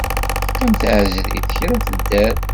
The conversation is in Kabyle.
Teqqim d taεeẓrit kra tedder.